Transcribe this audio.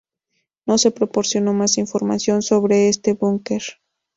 No se proporcionó más información sobre este búnker.